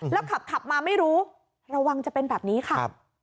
แล้วขับมาไม่รู้ระวังจะเป็นแบบนี้ค่ะ